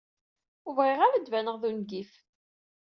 Ur bɣiɣ ara ad d-baneɣ d ungif.